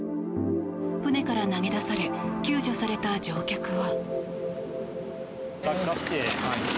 船から投げ出され救助された乗客は。